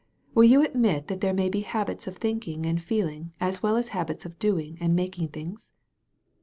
Will you admit that there may be habits of thinking and feeling as well as habits of doing and making things?"